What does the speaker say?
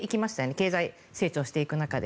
経済成長していく中で。